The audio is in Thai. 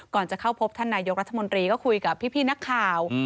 จะเข้าพบท่านนายกรัฐมนตรีก็คุยกับพี่นักข่าว